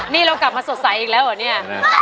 นี่เรากลับมาสดใสอีกแล้วเหรอเนี่ย